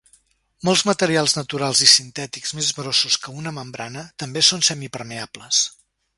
Molts materials naturals i sintètics més grossos que una membrana també són semipermeables.